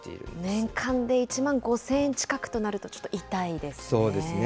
年間で１万５０００円近くとなると、ちょっと痛いですね。